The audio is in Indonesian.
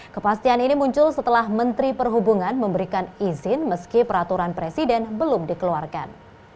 kepastian ini muncul setelah menteri perhubungan memberikan izin meski peraturan presiden belum dikeluarkan